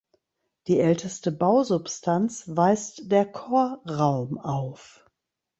Die älteste Bausubstanz weist der Chorraum auf.